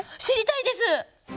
知りたいです。